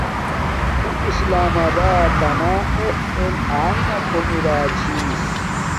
اُو اسلام آبات تنا اف ایل اݵی نا کوم ارا چھس